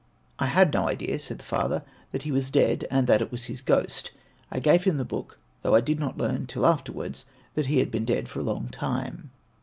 "I had no idea," said the father, "that he was dead and that it was his ghost. I gave him the book, though I did not learn till afterwards that he had been dead for a long time."